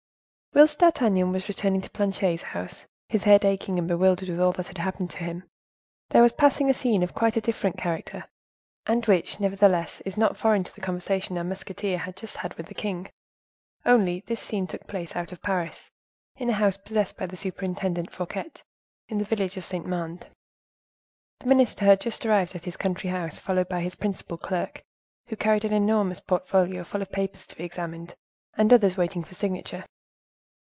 Whilst D'Artagnan was returning to Planchet's house, his head aching and bewildered with all that had happened to him, there was passing a scene of quite a different character, and which, nevertheless, is not foreign to the conversation our musketeer had just had with the king; only this scene took place out of Paris, in a house possessed by the superintendent Fouquet in the village of Saint Mande. The minister had just arrived at this country house, followed by his principal clerk, who carried an enormous portfolio full of papers to be examined, and others waiting for signature.